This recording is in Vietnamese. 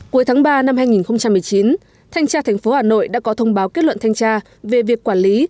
cuối tháng ba năm hai nghìn một mươi chín thanh tra thành phố hà nội đã có thông báo kết luận thanh tra về việc quản lý